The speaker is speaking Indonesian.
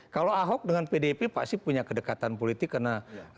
kalau ahok dengan pdip pasti punya kedekatan politik karena